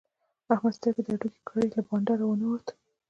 احمد سترګې د هډوکې کړې؛ له بانډاره و نه وت.